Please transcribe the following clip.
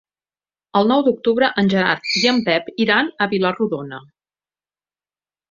El nou d'octubre en Gerard i en Pep iran a Vila-rodona.